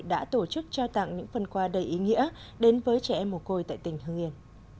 đã tổ chức trao tặng những phần quà đầy ý nghĩa đến với trẻ em mồ côi tại tỉnh hương yên